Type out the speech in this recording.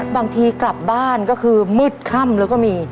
บางทีกลับบ้านก็คือมืดค่ำแล้วก็มี